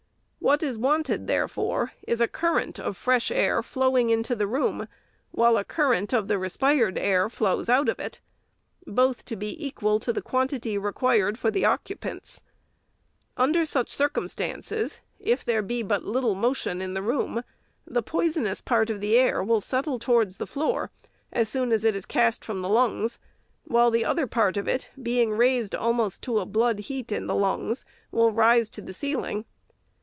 What is wanted, therefore, is a current of fresh air flow ing into the room, while a current of the respired air flows out of it ; both to be equal to the quantity required for the occupants. Under such circumstances, if there be but little motion in the room, the poisonous part of the air will settle towards the floor as soon as it is cast from the lungs, while the other part of it, being raised almost to a blood heat in the lungs, will rise to the ceiling.